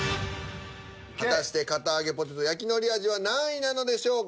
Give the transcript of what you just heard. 果たして堅あげポテト焼きのり味は何位なのでしょうか？